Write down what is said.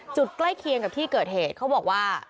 ใกล้เคียงกับที่เกิดเหตุเขาบอกว่า